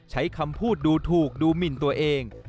ใช้คำพูดดูถูกดูหมินตัวเอง